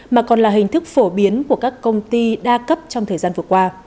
mà còn là hình thức phổ biến của các công ty đa cấp trong thời gian vừa qua